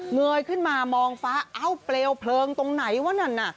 เงยขึ้นมามองฟ้าเอ้าเปรี้ยวเผลอร์งตรงไหนวะนั่น